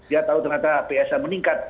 dia tahu ternyata psm meningkat